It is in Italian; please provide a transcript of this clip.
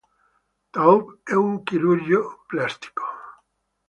Taub è un chirurgo plastico.